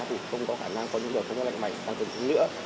thì không có khả năng có những đợt không có lạnh mạnh thăng cường nữa